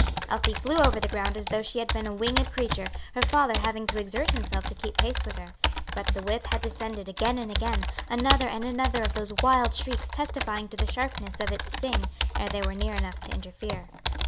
Elsie flew over the ground as though she had been a winged creature, her father having to exert himself to keep pace with her. But the whip had descended again and again, another and another of those wild shrieks testifying to the sharpness of its sting, ere they were near enough to interfere.